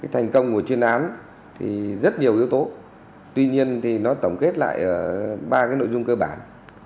thành công của chuyên án thì rất nhiều yếu tố tuy nhiên tổng kết lại ba nội dung cơ bản